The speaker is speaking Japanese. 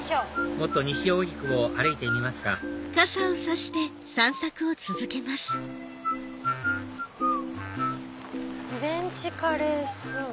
もっと西荻窪歩いてみますか「フレンチカレーＳＰＯＯＮ」。